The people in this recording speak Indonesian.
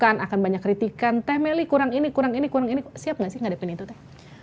akan banyak kritikan teh meli kurang ini kurang ini kurang ini siap gak sih ngadepin itu teh